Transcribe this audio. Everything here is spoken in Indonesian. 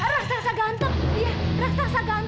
rasa rasa ganteng iya rasa rasa ganteng